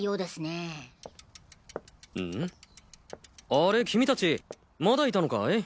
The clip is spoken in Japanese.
あれ君達まだいたのかい？